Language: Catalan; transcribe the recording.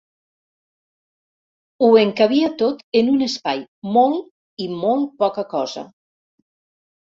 Ho encabia tot en un espai molt i molt poca cosa.